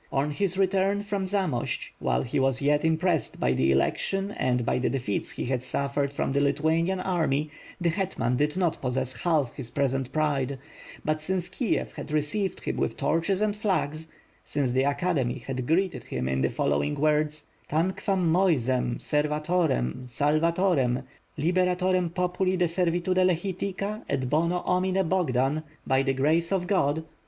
On his re turn from Zamost, while he was yet impressed by the election and by the defeats he had suffered from the Lithuanian army, the hetman did not possess half his present pride, but since Kiev had received him with torches and flags; since the acad emy had greeted him in the following words: "Tanquam Moiserrty servatoreniy salvatorem, Jiberatorem popvli de senntvte lechica et hono omine Bogdan — by the Grace of God!"